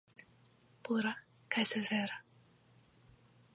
Pura kaj severa.